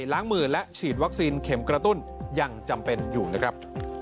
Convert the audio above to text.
ล้างมือและฉีดวัคซีนเข็มกระตุ้นยังจำเป็นอยู่นะครับ